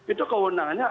itu kewenangannya ada